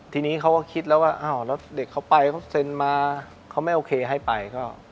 ทีนี้เขาก็คิดแล้วว่าอ้าวแล้วเด็กเขาไปเขาเซ็นมาเขาไม่โอเคให้ไป